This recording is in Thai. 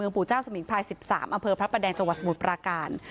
ปู่เจ้าสมิงพราย๑๓อำเภอพระประแดงจังหวัดสมุทรปราการ